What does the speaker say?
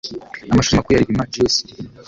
Amashuri makuru ya Rilima (GS Rilima).